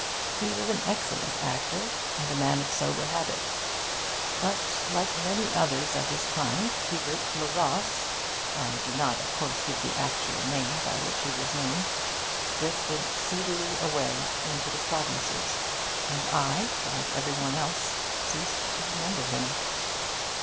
He was an excellent actor, and a man of sober habit. But, like many others of his kind, Hubert le Ros (I do not, of course, give the actual name by which he was known) drifted seedily away into the provinces; and I, like every one else, ceased to remember him.